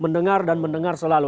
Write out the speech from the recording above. mendengar dan mendengar selalu